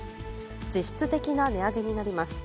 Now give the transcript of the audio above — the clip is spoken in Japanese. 実質的な値上げになります。